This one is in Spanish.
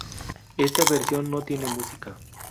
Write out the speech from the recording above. Esta versión no tiene música.